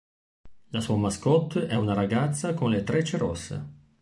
La sua mascotte è una ragazza con le trecce rosse.